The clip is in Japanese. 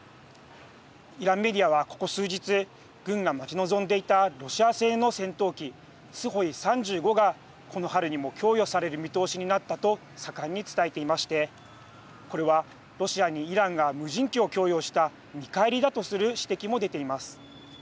イランメディアは、ここ数日軍が待ち望んでいたロシア製の戦闘機スホイ３５がこの春にも供与される見通しになったと盛んに伝えていましてこれはロシアにイランが無人機を供与した見返りだとする指摘も出ています。